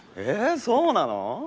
えそうなの？